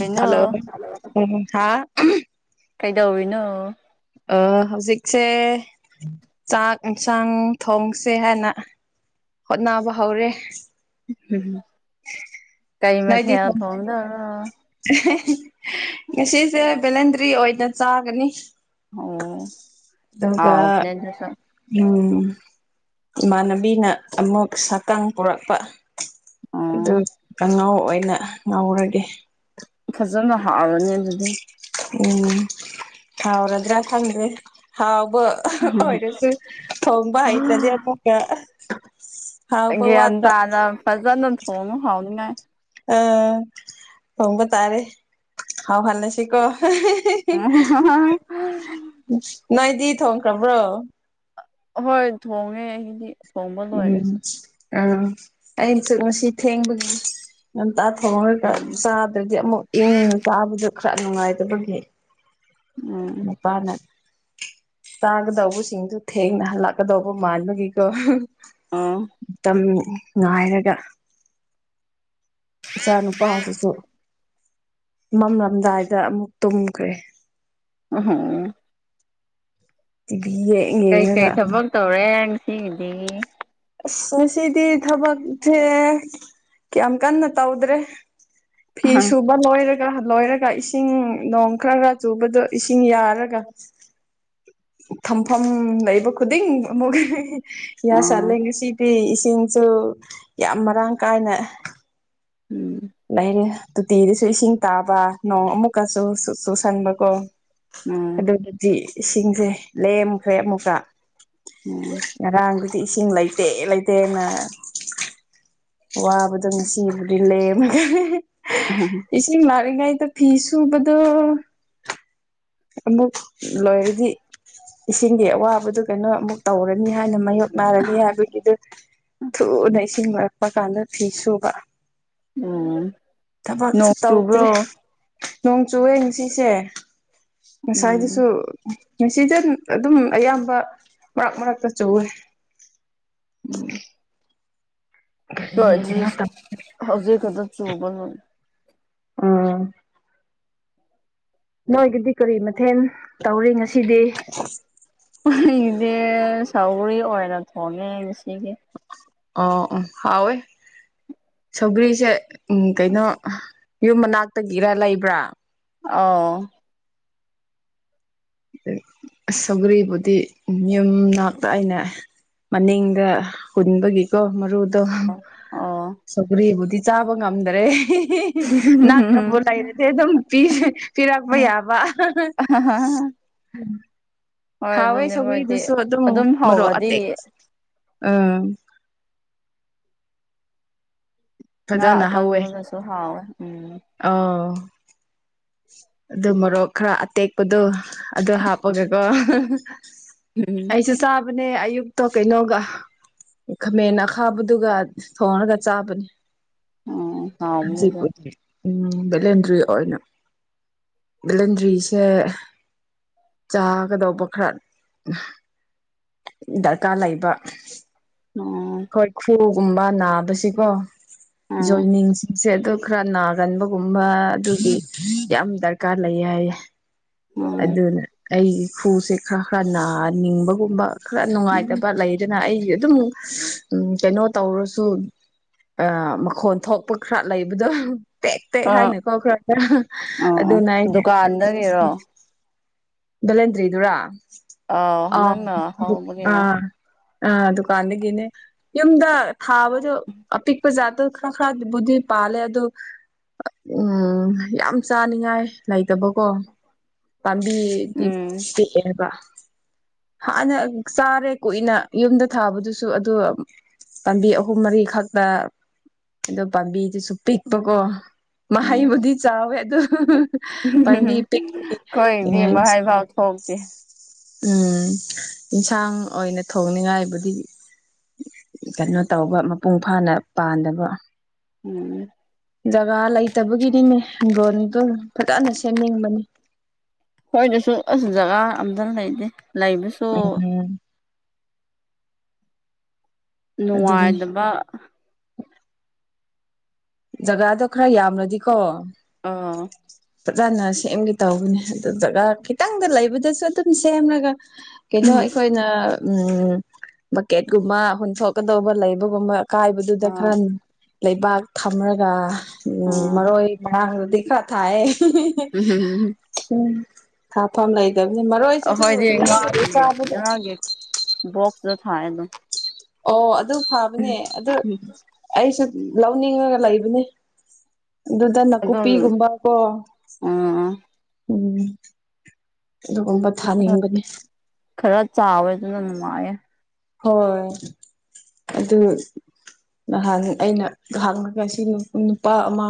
ꯀꯩꯅꯣ ꯍꯥ ꯀꯩꯗꯧꯔꯤꯅꯣ ꯍꯧꯖꯤꯛꯁꯦ ꯆꯥꯛ ꯌꯦꯟꯁꯥꯡ ꯊꯣꯡꯁꯦ ꯍꯥꯏꯅ ꯍꯣꯠꯅꯕ ꯍꯧꯔꯦ ꯀꯩ ꯅꯣꯏꯗꯤ ꯃꯊꯦꯜ ꯊꯣꯡꯗꯣꯏꯔꯣ ꯉꯁꯤꯁꯦ ꯚꯦꯂꯦꯟꯗ꯭ꯔꯤ ꯑꯣꯏꯅ ꯆꯥꯒꯅꯤ ꯑꯣ ꯑꯗꯨꯒ [unintelligible] ꯎꯝ ꯏꯃꯥꯟꯅꯕꯤꯅ ꯑꯃꯨꯛ ꯁꯛꯇꯥꯡ ꯄꯨꯔꯛꯄ ꯑꯗꯨ ꯑꯣ ꯀꯥꯡꯉꯥꯎ ꯑꯣꯏꯅ ꯉꯥꯎꯔꯒꯦ ꯐꯖꯅ ꯍꯥꯥꯎꯔꯅꯤ ꯑꯗꯨꯗꯤ ꯎꯝ ꯍꯥꯎꯔꯗ꯭ꯔꯥ ꯈꯪꯗꯦ ꯍꯥꯎꯕ ꯑꯣꯏꯔꯁꯨ ꯊꯣꯡꯕ ꯍꯩꯇ꯭ꯔꯗꯤ ꯑꯃꯨꯛꯀ ꯍꯥꯎꯕ ꯒ꯭ꯌꯥꯟ ꯋꯥꯠꯄ ꯇꯥꯅ ꯐꯖꯅ ꯊꯣꯡꯅ ꯍꯥꯎꯅꯤꯉꯥꯏ ꯊꯣꯡꯕ ꯇꯥꯔꯦ ꯍꯥꯎꯂꯜꯂꯁꯤ ꯀꯣ [unintelligible] ꯅꯣꯏꯗꯤ ꯊꯣꯡꯈ꯭ꯔꯕ꯭ꯔꯣ ꯍꯣꯏ ꯊꯣꯡꯉꯦ ꯑꯩꯗꯤ ꯎꯝ ꯑꯥ ꯑꯩꯅꯁꯨ ꯉꯁꯤ ꯊꯦꯡꯕꯒꯤ ꯉꯟꯇꯥ ꯊꯣꯡꯉꯔꯒ ꯆꯥꯗ꯭ꯔꯗꯤ ꯑꯃꯨꯛ ꯏꯪꯅ ꯆꯥꯕꯗꯨ ꯈ꯭ꯔ ꯅꯨꯡꯉꯥꯏꯇꯕꯒꯤ ꯎꯝ ꯃꯥꯅ ꯆꯥꯒꯗꯧꯕ ꯁꯤꯡꯁꯨ ꯊꯦꯡꯅ ꯍꯜꯂꯛꯀꯗꯧꯕ ꯃꯥꯟꯕꯒꯤꯀꯣ ꯑꯣ ꯇꯝ ꯉꯥꯏꯔꯒ ꯏꯆꯥ ꯅꯨꯨꯄꯥꯁꯤꯁꯨ ꯃꯝꯂꯝꯗꯥꯏꯗ ꯑꯃꯨꯛ ꯇꯨꯝꯈ꯭ꯔꯦ ꯑꯥꯍꯪ ꯇꯤꯕꯤꯌꯦ ꯀꯩꯀꯩ ꯊꯕꯛ ꯇꯧꯔꯦ ꯉꯁꯤꯒꯤꯗꯤ ꯑꯁ ꯉꯁꯤꯗꯤ ꯊꯕꯛꯁꯦ ꯀꯌꯥꯝ ꯀꯟꯅ ꯇꯧꯗ꯭ꯔꯦ ꯑꯣ ꯐꯤꯁꯨ ꯕ ꯅꯣꯏꯔꯒ ꯂꯣꯏꯔꯒ ꯏꯁꯤꯡ ꯅꯣꯡ ꯈꯔ ꯈꯔ ꯆꯨꯕꯗꯣ ꯏꯁꯤꯡ ꯌꯥꯔꯒ ꯊꯝꯐꯝ ꯂꯩꯕ ꯈꯨꯗꯤꯡ ꯑꯃꯨꯛ ꯌꯥ ꯎꯝ ꯁꯟꯂꯦ ꯉꯁꯤꯗꯤ ꯏꯁꯤꯡ ꯁꯨ ꯌꯥꯝ ꯃꯔꯥꯡ ꯀꯥꯏꯅ ꯎꯝ ꯂꯩꯔꯦ ꯇꯣꯇꯤꯗꯁꯨ ꯏꯁꯤꯡ ꯇꯥꯕ ꯅꯣꯡ ꯑꯃꯨꯛꯀꯁꯨ ꯆꯨꯁꯟꯕ ꯀꯣ ꯎꯝ ꯑꯗꯨꯗꯗꯤ ꯏꯁꯤꯡꯁꯦ ꯂꯦꯝꯈ꯭ꯔꯦ ꯑꯃꯨꯛꯀ ꯎꯝ ꯉꯔꯥꯡꯗꯨꯗꯤ ꯏꯁꯤꯡ ꯂꯩꯇꯦ ꯂꯩꯇꯦꯅ ꯋꯥꯕꯗꯣ ꯉꯁꯤꯕꯨꯗꯤ ꯂꯩꯃꯒꯦ ꯎꯝ ꯍ ꯏꯁꯤꯡ ꯂꯥꯛꯔꯤꯉꯩꯗ ꯐꯤ ꯁꯨꯕꯗꯣ ꯑꯃꯨꯛ ꯂꯣꯏꯔꯗꯤ ꯏꯁꯤꯡꯒꯤ ꯑꯋꯥꯕꯗꯨ ꯀꯩꯅꯣ ꯑꯃꯨꯛ ꯇꯧꯔꯅꯤ ꯍꯥꯏꯅ ꯃꯥꯥꯏꯌꯣꯛ ꯅꯥꯔꯅꯤ ꯍꯥꯏꯕꯒꯤꯗꯨ ꯊꯨꯅ ꯏꯁꯤꯡ ꯂꯛꯄꯀꯥꯟꯗ ꯐꯤ ꯁꯨꯕ ꯎꯝ ꯊꯕꯛꯁꯨ ꯅꯣꯡ ꯇꯧꯗ꯭ꯔꯦ ꯆꯨꯕ꯭ꯔꯣ ꯅꯣꯡ ꯆꯨꯌꯦ ꯉꯥꯁꯤꯁꯦ ꯎꯝ ꯉꯁꯥꯏꯗꯨꯁꯨ ꯉꯁꯤꯗꯟ ꯑꯗꯨꯝ ꯑꯌꯥꯝꯕ ꯃꯔꯛ ꯃꯔꯛꯇ ꯆꯧꯋꯦ ꯎꯝ ꯍꯣꯏ ꯍꯧꯖꯤꯛ ꯈꯛꯇ ꯆꯨꯕꯅꯣ ꯎꯝ ꯅꯣꯏꯒꯤꯗꯤ ꯀꯔꯤ ꯃꯊꯦꯟ ꯇꯧꯔꯦ ꯉꯁꯤꯗꯤ ꯑꯩꯗꯤ ꯁꯎꯔꯤ ꯑꯣꯏꯅ ꯊꯣꯡꯉꯦ ꯉꯁꯤꯒꯤ ꯑꯣ ꯑꯣ ꯍꯥꯎꯋꯦ ꯁꯧꯒ꯭ꯔꯤꯁꯦ ꯎꯝ ꯀꯩꯅꯣ ꯌꯨꯝ ꯃꯅꯥꯛꯇꯒꯤꯔ ꯂꯩꯕ꯭ꯔꯥ ꯑꯧ ꯁꯧꯒꯔꯤꯕꯨꯗꯤ ꯌꯨꯝ ꯅꯥꯛꯇ ꯑꯩꯅ ꯃꯅꯤꯡꯗ ꯍꯨꯟꯕꯒꯤꯀꯣ ꯃꯔꯨ ꯑꯗꯣ ꯑꯣ ꯁꯧꯒꯔꯤꯕꯕꯨꯗꯤ ꯆꯥꯕ ꯉꯝꯗ꯭ꯔꯦ ꯍꯤꯍꯤ ꯅꯛ ꯅꯕꯨ ꯂꯩꯔꯗꯤ ꯑꯗꯨꯝ ꯄꯤꯔꯛꯄ ꯌꯥꯕ ꯍꯥꯍꯥ ꯎꯝ ꯍꯥꯎꯋꯦ ꯃꯣꯏꯗꯤ ꯁꯧꯒꯔꯤꯗꯨꯁꯨ ꯑꯗꯨꯝ ꯃꯔꯣꯛ ꯍꯧꯔꯗꯤ ꯑꯇꯦꯛ ꯎꯝ ꯉꯥ ꯐꯖꯅ ꯍꯧꯋꯦ ꯑꯀꯪꯕꯒꯁꯨ ꯍꯥꯎꯋꯦ ꯎꯝ ꯑꯧ ꯑꯗꯨ ꯃꯣꯔꯣꯛ ꯈꯔ ꯑꯇꯦꯛꯄꯗꯣ ꯑꯗꯨ ꯍꯥꯞꯄꯒꯀꯣ ꯎꯝ ꯑꯩꯁꯨ ꯆꯥꯕꯅꯦ ꯑꯌꯨꯛꯇꯣ ꯀꯩꯅꯣꯒ ꯈꯥꯃꯦꯟ ꯑꯈꯥꯕꯗꯨꯒ ꯊꯣꯡꯔꯒ ꯆꯥꯕꯅꯦ ꯎꯝ ꯍꯥꯎꯕꯅꯤꯗ ꯎꯝ ꯕꯂꯦꯟꯗ꯭ꯔꯤ ꯑꯣꯏꯅ ꯂꯟꯗ꯭ꯔꯤꯁꯦ ꯆꯥꯒꯗꯧꯕ ꯈꯔ ꯗꯔꯀꯥꯔ ꯂꯩꯕ ꯑꯣ ꯍꯣꯏꯈꯨꯒꯨꯝꯕ ꯅꯥꯕꯁꯤꯀꯣ ꯎꯝ ꯖꯣꯏꯅꯤꯡꯁꯤꯡꯁꯦ ꯑꯗꯨꯝ ꯈꯔ ꯅꯥꯒꯟꯕꯒꯨꯝꯕ ꯑꯗꯨꯒꯤ ꯌꯥꯝ ꯗꯔꯀꯥꯔ ꯂꯩꯌꯦ ꯍꯥꯏꯌꯦ ꯎꯝ ꯑꯗꯨꯅ ꯑꯩꯒꯤ ꯈꯨꯁꯦ ꯈꯔ ꯈꯔ ꯅꯥ ꯅꯤꯡꯕꯒꯨꯝꯕ ꯈꯔ ꯅꯨꯡꯉꯥꯏꯇꯕ ꯂꯩꯗꯅ ꯑꯩꯒꯤ ꯑꯗꯨꯝ ꯁ ꯀꯩꯅꯣ ꯇꯧꯔꯁꯨ ꯑ ꯃꯈꯣꯟ ꯊꯣꯛꯄ ꯈꯔ ꯂꯩꯕꯗꯣ꯫ ꯄꯦꯛ ꯄꯦꯛ ꯑꯥ ꯍꯥꯏꯅꯀꯣ ꯈꯔ ꯈꯔ ꯍꯥ ꯑꯥ ꯑꯥ ꯑꯗꯨꯅ ꯑꯩꯅ ꯗꯨꯀꯥꯟꯗꯒꯤꯔꯣ ꯕꯦꯂꯦꯟꯗꯔꯤꯗꯨꯔꯥ ꯑꯥꯎ ꯅꯪꯅ ꯑ ꯍꯧꯕꯒꯤꯔꯣ ꯑ ꯗꯨꯀꯥꯟꯗꯒꯤꯅꯦ ꯌꯨꯝꯗ ꯊꯥꯕꯗꯣ ꯑꯄꯤꯛꯄ ꯖꯥꯠꯇꯣ꯫ ꯈꯔ ꯈꯔ ꯕꯨꯗꯤ ꯄꯥꯂꯦ ꯑꯗꯨ ꯑꯥ ꯎꯝ ꯌꯥꯝ ꯆꯥꯅꯤꯡꯉꯥꯏ ꯂꯩꯇꯕꯀꯣ꯫ ꯄꯥꯝꯕꯤꯗꯤ ꯎꯝ ꯄꯤꯛꯑꯦꯕ꯫ ꯍꯥꯟꯅ ꯆꯥꯔꯦ ꯀꯨꯏꯅ ꯌꯨꯝꯗ ꯊꯥꯕꯗꯨꯁꯨ ꯑꯗꯨ ꯄꯥꯝꯕꯤ ꯑꯍꯨꯝ ꯃꯔꯤ ꯈꯛꯇ ꯑꯗꯣ ꯄꯥꯝꯕꯤꯗꯨꯁꯨ ꯄꯤꯛꯄꯀꯣ꯫ ꯎꯝ ꯃꯍꯩꯕꯨꯗꯤ ꯆꯥꯎꯋꯦ ꯑꯗꯨ ꯍꯥ ꯍꯥ ꯍꯥ ꯄꯥꯟꯕꯤ ꯄꯤꯛ ꯈꯣꯏ ꯏꯕꯦꯝꯃ ꯍꯥꯏ ꯐꯥꯎ ꯊꯣꯛꯇꯦ꯫ ꯎꯝ ꯏꯟꯁꯥꯡ ꯑꯣꯏꯅ ꯊꯣꯡꯅꯤꯉꯥꯏꯕꯨꯗꯤ ꯀꯩꯅꯣ ꯇꯧꯕ ꯃꯄꯨꯡ ꯐꯥꯅ ꯄꯥꯟꯗꯕ꯫ ꯎꯝ ꯖꯒꯥ ꯂꯩꯇꯕꯒꯤꯅꯤꯅꯦ ꯍꯤꯡꯒꯣꯟꯗꯣ ꯐꯖꯅ ꯁꯦꯝꯅꯤꯡꯕꯅꯤ꯫ ꯑꯈꯣꯏꯗꯁꯨ ꯑꯁ ꯖꯒꯥ ꯑꯝꯇ ꯂꯩꯇꯦ ꯂꯩꯕꯁꯨ꯫ ꯎꯟ ꯍꯨꯝ ꯑꯗꯨꯅꯤ ꯅꯨꯡꯉꯥꯏꯗꯕ ꯖꯒꯥꯗꯣ ꯈꯔ ꯌꯥꯝꯔꯗꯤꯀꯣ ꯑꯥ ꯐꯖꯅ ꯁꯦꯝꯒꯦ ꯇꯧꯕꯅꯦ ꯑꯗꯨ ꯖꯒꯥ ꯈꯤꯇꯪꯗ ꯂꯩꯕꯗꯁꯨ ꯑꯗꯨꯝ ꯁꯦꯝꯔꯒ ꯀꯩꯅꯣ ꯑꯩꯈꯣꯏꯅ ꯎꯝ ꯕꯛꯀꯦꯠꯀꯨꯝꯕ ꯍꯨꯟꯊꯣꯛꯀꯗꯧꯕ ꯂꯩꯕꯒꯨꯝꯕ ꯀꯥꯏꯕꯗꯨꯗ ꯑꯥ ꯈꯔ ꯂꯩꯕꯥꯛ ꯊꯝꯔꯒ ꯎꯝ ꯑꯥ ꯃꯔꯣꯏ ꯃꯔꯥꯡꯗꯨꯗꯤ ꯈꯔ ꯈꯥꯑꯦ ꯍꯤ ꯍꯤ ꯍꯤ ꯎꯝ ꯍꯨꯝ ꯍꯨꯝ ꯍꯨꯝ ꯎꯝ ꯊꯥꯐꯝ ꯂꯩꯇꯕꯅꯤ ꯃꯔꯣꯏꯁꯤꯁꯨ ꯑꯩꯈꯣꯏꯗꯤ ꯂꯩꯗꯅ ꯉꯥꯒꯤ ꯆꯥꯕꯗ ꯉꯥꯒꯤ ꯕꯣꯛꯁꯇ ꯊꯥꯏ ꯑꯗꯨꯝ ꯑꯣ ꯑꯗꯨ ꯐꯕꯅꯦ ꯑꯗꯨ ꯑꯩꯁꯨ ꯂꯧꯅꯤꯡꯉꯒ ꯂꯩꯕꯅꯤ꯫ ꯑꯗꯨꯗ ꯑꯗꯨꯝ ꯅꯥꯀꯨꯞꯄꯤꯒꯨꯝꯕ ꯀꯣ ꯎꯝ ꯎꯝ ꯑꯗꯨꯒꯨꯝꯕ ꯊꯥꯅꯤꯡꯕꯅꯦ꯫ ꯈꯔ ꯆꯥꯎꯋꯦ ꯑꯗꯨꯅ ꯅꯨꯡꯉꯥꯏꯌꯦ꯫ ꯍꯣ ꯍꯣꯏ ꯑꯗꯨ ꯉꯍꯥꯟ ꯑꯩꯅ ꯍꯥꯡꯉꯒ ꯁꯤ ꯅꯨꯄꯥ ꯑꯃ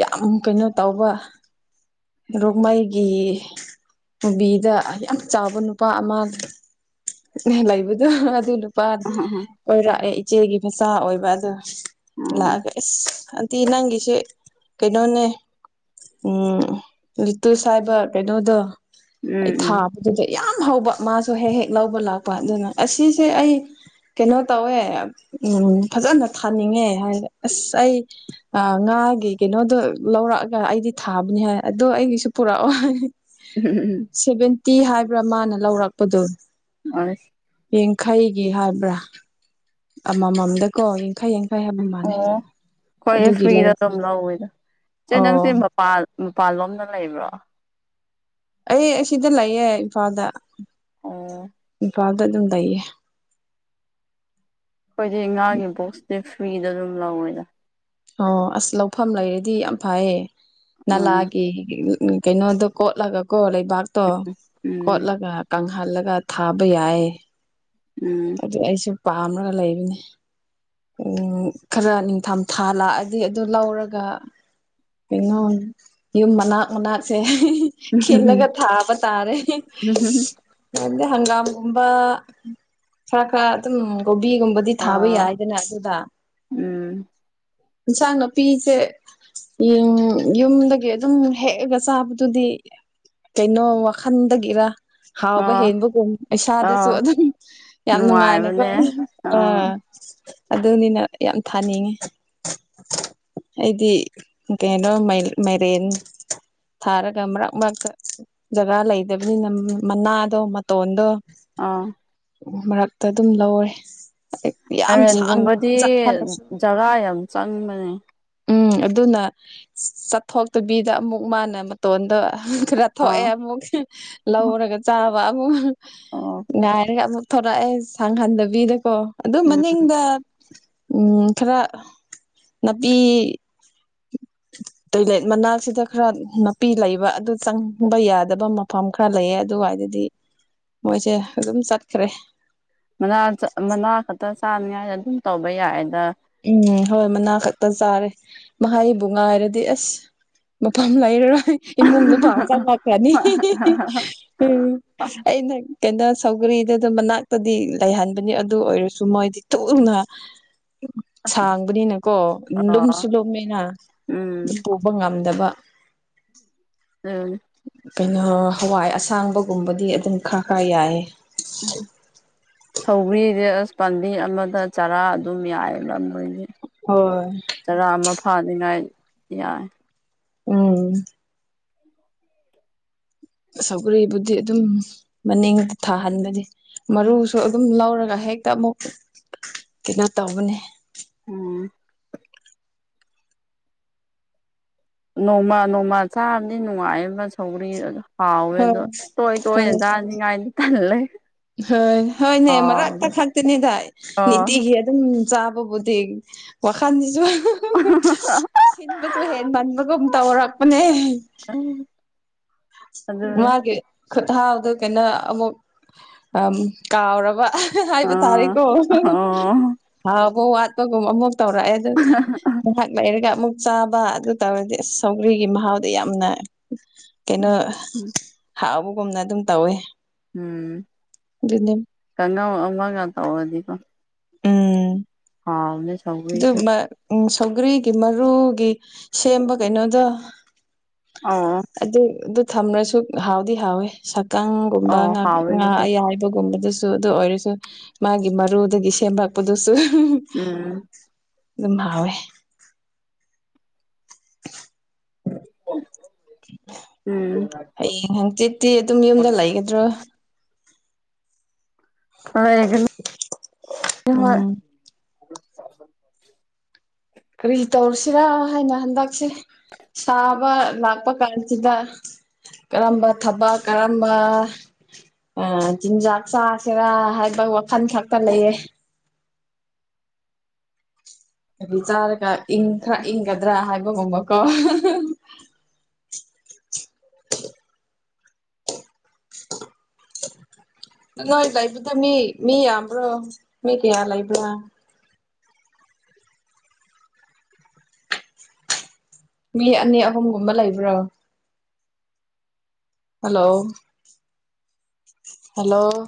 ꯌꯥꯝ ꯀꯩꯅꯣ ꯇꯧꯕ ꯔꯣꯛꯃꯩꯒꯤ ꯃꯨꯕꯤꯗ ꯌꯥꯝ ꯆꯥꯎꯕ ꯅꯨꯄꯥ ꯑꯃ ꯂꯩꯕꯗꯣ ꯍ ꯑꯗꯨ ꯅꯨꯄꯥ ꯎꯝ ꯀꯣꯏꯔꯛꯑꯦ ꯏꯆꯦꯒꯤ ꯃꯆꯥ ꯑꯣꯏꯕ ꯑꯗꯨ ꯎꯝ ꯂꯥꯛꯑꯒ ꯏꯁ ꯑꯟꯇꯤ ꯅꯪꯒꯤꯁꯦ ꯀꯩꯅꯣꯅꯦ ꯎꯝ ꯂꯤꯇꯨꯁ ꯍꯥꯏꯕ ꯀꯩꯅꯣꯗꯨ ꯑꯩ ꯎꯝ ꯊꯥꯕꯗꯨꯗ ꯌꯥꯝ ꯍꯧꯕ ꯃꯥꯁꯨ ꯍꯦꯛ ꯍꯦꯛ ꯂꯧꯕ ꯂꯥꯛꯄ ꯑꯗꯨꯅ ꯑꯁꯤꯁꯦ ꯑꯩ ꯀꯩꯅꯣ ꯇꯧꯋꯦ ꯑ ꯎꯝ ꯐꯖꯅ ꯊꯥꯅꯤꯡꯉꯦ ꯍꯥꯏꯔꯒ ꯑꯁ ꯑꯩ ꯑ ꯉꯥꯒꯤ ꯀꯩꯅꯣꯗꯣ ꯂꯧꯔꯛꯑꯒ ꯑꯩꯗꯤ ꯊꯥꯕꯅꯤ ꯍꯥꯏ ꯑꯗꯣ ꯑꯩꯒꯤꯁꯨ ꯄꯨꯔꯛꯑꯣ ꯍꯥꯏ ꯎꯍꯨ ꯎꯝ ꯎꯝ ꯁꯚꯦꯟꯇꯤ ꯍꯥꯏꯕ꯭ꯔꯥ ꯃꯥꯅ ꯂꯧꯔꯛꯄꯗꯨ꯫ ꯑꯥꯏ ꯌꯦꯡꯈꯩꯒꯤ ꯍꯥꯏꯕ꯭ꯔꯥ ꯑꯃꯃꯝꯗꯀꯣ ꯌꯥꯡꯈꯩ ꯌꯥꯡ ꯑꯣ ꯈꯣꯏ ꯐ꯭ꯔꯤꯗ ꯂꯧꯔꯛ ꯑꯗꯨꯝ ꯂꯧꯋꯦꯗ ꯆꯦ ꯑꯣ ꯅꯪꯆꯦ ꯃꯄꯥꯜ ꯃꯄꯥꯜ ꯂꯣꯝꯗ ꯂꯩꯕ꯭ꯔꯣ ꯑꯩ ꯁꯤꯗ ꯂꯩꯌꯦ ꯏꯝꯐꯥꯜꯗ ꯑꯣ ꯇꯨꯋꯦꯜꯞꯇ ꯑꯗꯨꯝ ꯂꯩꯌꯦ ꯑꯩꯈꯣꯏꯗꯤ ꯉꯥꯒꯤ ꯕꯣꯛꯁꯇꯤ ꯐ꯭ꯔꯤꯗ ꯑꯗꯨꯝ ꯂꯧꯋꯦꯗ ꯑꯣ ꯑꯁ ꯂꯧꯐꯝ ꯂꯩꯔꯗꯤ ꯌꯥꯝ ꯐꯩꯌꯦ ꯎꯝ ꯅꯂꯥꯒꯤ ꯎꯝ ꯀꯩꯅꯣꯗꯣ ꯀꯣꯠꯂꯒꯀꯣ ꯂꯩꯕꯥꯛꯇꯣ ꯎꯝ ꯀꯣꯠꯂꯒ ꯀꯪꯍꯜꯂꯒ ꯊꯥꯕ ꯌꯥꯏ ꯎꯝ ꯑꯗꯨ ꯑꯩꯁꯨ ꯄꯥꯝꯔꯒ ꯂꯩꯕꯅꯦ ꯎꯝ ꯈꯔ ꯅꯤꯡꯊꯝ ꯊꯥ ꯂꯥꯛꯑꯗꯤ ꯑꯗꯨ ꯂꯧꯔꯒ ꯀꯩꯅꯣ ꯌꯨꯝ ꯃꯅꯥꯛ ꯃꯅꯥꯛꯁꯦ ꯈꯤꯜꯂꯒ ꯊꯥꯕ ꯇꯥꯔꯦ ꯌꯥꯝꯗꯤ ꯍꯪꯒꯥꯝꯒꯨꯝꯕ ꯈꯔ ꯈꯔ ꯑꯗꯨꯝ ꯀꯣꯕꯤꯒꯨꯝꯕꯗꯤ ꯊꯥꯕ ꯑꯥ ꯌꯥꯏ ꯑꯗꯨꯅ ꯑꯗꯨꯗ ꯎꯝ ꯏꯟꯁꯥꯡ ꯅꯥꯄꯤꯁꯦ ꯌꯨꯝ ꯌꯨꯝꯗꯒꯤ ꯑꯗꯨꯝ ꯍꯦꯛꯑꯒ ꯆꯥꯕꯗꯨꯗꯤ ꯀꯩꯅꯣ ꯋꯥꯈꯟꯗꯒꯤꯔꯥ ꯍꯥꯎꯕ ꯑꯥ ꯍꯦꯟꯕꯒꯨꯝ ꯏꯁꯥꯗꯁꯨ ꯑꯥ ꯑꯗꯨꯝ ꯌꯥꯝ ꯅꯨꯡꯉꯥꯏꯅꯀꯣ ꯅꯨꯡꯉꯥꯏꯕꯅꯦ ꯑꯥ ꯑꯗꯨꯅꯤꯅ ꯌꯥꯝ ꯊꯥꯅꯤꯡꯉꯤ ꯑꯩꯗꯤ ꯀꯩꯅꯣ ꯃꯥꯏꯔꯦꯟ ꯊꯥꯔꯒ ꯃꯔꯛ ꯃꯔꯛꯇ ꯖꯒꯥ ꯂꯩꯗꯕꯅꯤꯅ ꯃꯅꯥꯗꯣ ꯃꯇꯣꯟꯗꯣ ꯑꯥ ꯃꯔꯛꯇ ꯑꯗꯨꯝ ꯂꯧꯔꯦ ꯌꯥꯝ ꯁꯥꯡꯅ ꯃꯥꯏꯔꯦꯟꯒꯨꯝꯕꯗꯤ ꯆꯠꯍꯜꯂꯁꯨ ꯖꯒꯥ ꯌꯥꯝ ꯆꯪꯕꯅꯦ ꯎꯝ ꯑꯗꯨꯅ ꯆꯠꯊꯣꯛꯇꯕꯤꯗ ꯑꯃꯨꯛ ꯃꯥꯅ ꯃꯇꯣꯟꯗ ꯈꯔ ꯊꯣꯛꯑꯦ ꯑꯥ ꯑꯃꯨꯛ ꯂꯧꯔꯒ ꯆꯥꯕ ꯑꯃꯨꯛ ꯑꯣ ꯉꯥꯏꯔꯒ ꯑꯃꯨꯛ ꯊꯣꯔꯛꯑꯦ ꯁꯥꯡꯍꯟꯗꯕꯤꯗꯀꯣ ꯑꯗꯨ ꯎꯝ ꯃꯅꯤꯡꯗ ꯎꯝ ꯈꯔ ꯅꯥꯄꯤ [inaudible] ꯇꯣꯏꯂꯦꯠ ꯃꯅꯥꯛꯁꯤꯗ ꯈꯔ ꯅꯥꯄꯤ ꯂꯩꯕ ꯑꯗꯨ ꯆꯪꯕ ꯌꯥꯗꯕ ꯃꯐꯝ ꯈꯔ ꯂꯩꯌꯦ ꯑꯗꯨꯋꯥꯏꯗꯗꯤ ꯃꯣꯏꯁꯦ ꯑꯗꯨꯝ ꯆꯠꯈ꯭ꯔꯦ ꯅꯥ ꯃꯅꯥ ꯈꯛꯇ ꯆꯥꯅꯤꯉꯥꯏꯗ ꯑꯗꯨꯝ ꯇꯧꯕ ꯌꯥꯏꯑꯦꯗ ꯎꯝ ꯍꯣꯏ ꯃꯅꯥ ꯈꯛꯇ ꯆꯥꯔꯦ ꯃꯍꯩꯕꯨ ꯉꯥꯏꯔꯗꯤ ꯑꯁ ꯃꯐꯝ ꯂꯩꯔꯔꯣꯏ ꯏꯃꯨꯡꯗ [unintelligible] ꯂꯥꯛꯀꯅꯤ ꯎꯝ ꯑꯩꯅ ꯀꯩꯅꯣ ꯁꯧꯒꯔꯤꯗꯣ ꯑꯗꯨ ꯃꯅꯥꯛꯇꯗꯤ ꯂꯩꯍꯟꯕꯅꯤ ꯑꯗꯨ ꯑꯣꯏꯔꯁꯨ ꯃꯣꯏꯗꯤ ꯊꯨꯅ ꯁꯥꯡꯕꯅꯤꯅꯀꯣ ꯂꯝꯁꯨ ꯑꯣ ꯂꯣꯝꯃꯦꯅ ꯎꯝ ꯄꯨꯕ ꯉꯝꯗꯕ ꯎꯝ ꯀꯩꯅꯣ ꯍꯋꯥꯏ ꯑꯁꯥꯡꯕꯒꯨꯝꯕꯗꯤ ꯑꯗꯨꯝ ꯈꯔ ꯈꯔ ꯌꯥꯏꯑꯦ ꯎꯝ ꯁꯧꯒ꯭ꯔꯤꯁ ꯑꯁ ꯄꯥꯝꯕꯤ ꯑꯃꯗ ꯆꯔꯥ ꯑꯗꯨꯝ ꯌꯥꯏꯌꯦꯕꯥ ꯃꯣꯢꯗꯤ ꯍꯣꯏ ꯆꯔꯥ ꯑꯃ ꯐꯥꯅꯤꯡꯉꯥꯏ ꯌꯥꯏ ꯎꯝ ꯁꯧꯒꯔꯤꯕꯨꯗꯤ ꯑꯗꯨꯝ ꯃꯅꯤꯡ ꯊꯥꯍꯟꯕꯅꯤ ꯃꯔꯨꯁꯨ ꯑꯗꯨꯝ ꯂꯧꯔꯒ ꯍꯦꯛꯇ ꯑꯃꯨꯛ ꯀꯩꯅꯣ ꯇꯧꯕꯅꯦ ꯎꯝ ꯅꯣꯡꯃ ꯅꯣꯡꯃꯥ ꯆꯥꯕꯗꯤ ꯅꯨꯡꯉꯥꯏꯌꯦꯕ ꯁꯧꯒꯔꯤ ꯑꯗꯣ ꯍꯥꯎꯋꯦ ꯍꯣꯏ ꯑꯗꯣ ꯇꯣꯏ ꯍꯣꯏ ꯇꯣꯏꯅ ꯆꯥꯅꯤꯡꯉꯥꯏꯗꯤ ꯊꯜꯂꯦ ꯍꯣꯏ ꯍꯣꯏꯅꯦ ꯃꯔꯛꯇ ꯈꯛꯇꯅꯤꯗ ꯑꯣ ꯅꯤꯇꯤꯒꯤ ꯗꯨꯝ ꯆꯥꯕꯕꯨꯗꯤ ꯋꯥꯈꯟꯁꯤꯁꯨꯨ ꯁꯤꯟꯕꯁꯨ ꯍꯦꯟ ꯃꯟꯕꯒꯨꯝ ꯇꯧꯔꯛꯄꯅꯦ ꯑꯗꯨꯅꯦ ꯃꯥꯒꯤ ꯈꯨꯠꯍꯥꯎꯗꯣ ꯀꯩꯅꯣ ꯑꯃꯨꯛ ꯀꯥꯎꯔꯕ ꯍꯥꯏꯕ ꯑꯥ ꯇꯔꯦꯀꯣ ꯑꯣ ꯍꯥꯎꯕ ꯋꯥꯠꯄꯒꯨꯝ ꯑꯃꯨꯛ ꯇꯧꯔꯛꯑꯦ ꯑꯗꯨ ꯉꯍꯥꯛ ꯂꯩꯔꯒ ꯑꯃꯨꯛ ꯆꯥꯕ ꯑꯗꯨ ꯇꯧꯔꯗꯤ ꯁꯧꯒ꯭ꯔꯤꯒꯤ ꯃꯍꯥꯎꯗ ꯌꯥꯝꯅ ꯀꯩꯅꯣ ꯍꯞꯕꯒꯨꯝꯅ ꯑꯗꯨꯝ ꯇꯧꯋꯦ ꯎꯝ ꯑꯗꯨꯗꯤ ꯀ ꯑꯃꯒ ꯇꯧꯔꯗꯤꯀꯣ ꯎꯝ ꯍ ꯑꯗꯨ ꯎ ꯁꯧꯒ꯭ꯔꯤꯒꯤ ꯃꯔꯨꯒꯤ ꯁꯦꯝꯕ ꯀꯩꯅꯣꯗꯣ ꯑꯣ ꯑꯗꯨ ꯑꯗꯨ ꯊꯝꯃꯁꯨ ꯍꯥꯎꯗꯤ ꯍꯥꯎꯋꯤ ꯁꯛꯀꯪꯒꯨꯝꯕꯥ ꯑꯣ ꯍꯥꯎꯋꯦ ꯑꯗꯨꯁꯨ ꯑꯌꯥꯏ ꯒꯨꯝꯕꯗꯨꯁꯨ ꯑꯗꯨ ꯑꯣꯏꯔꯁꯨ ꯃꯥꯒꯤ ꯃꯔꯨꯗꯒꯤ ꯁꯦꯝꯃꯛꯄꯗꯨꯁꯨ ꯎꯝ ꯑꯗꯨꯝ ꯍꯥꯎꯋꯦ ꯎꯝ ꯍꯌꯦꯡ ꯍꯪꯆꯤꯠꯇꯤ ꯑꯗꯨꯝ ꯌꯨꯝꯗ ꯂꯩꯒꯗ꯭ꯔꯣ ꯒ ꯍꯣꯏ ꯎꯝ ꯀꯔꯤ ꯇꯧꯔꯁꯤꯔꯥ ꯍꯥꯏꯅ ꯍꯟꯗꯛꯁꯦ ꯁꯥꯕ ꯂꯥꯛꯄ ꯀꯥꯟꯁꯤꯗ ꯀꯔꯝꯕ ꯊꯕꯛ ꯀꯔꯝꯕ ꯑ ꯆꯤꯟꯖꯥꯛ ꯆꯥꯁꯤꯦꯔꯥ ꯍꯥꯏꯕ ꯋꯥꯈꯜ ꯈꯛꯇ ꯂꯩꯌꯦ ꯍꯥꯏꯗꯤ ꯆꯥꯔꯒ ꯏꯪꯈ꯭ꯔ ꯏꯪꯒꯗ꯭ꯔꯥ ꯍꯥꯏꯕꯒꯨꯝꯕꯀꯣ ꯅꯣꯏ ꯂꯩꯕꯗ ꯃꯤ ꯃꯤ ꯌꯥꯝꯕ꯭ꯔꯣ ꯃꯤ ꯀꯌꯥ ꯂꯩꯕ꯭ꯔꯥ ꯑꯅꯤ ꯑꯍꯨꯝꯒꯨꯝꯕ ꯂꯩꯕ꯭ꯔꯥ ꯍꯜꯂꯣ ꯍꯂꯣ